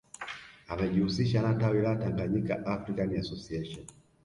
Amejihusisha na tawi la Tanganyika African Association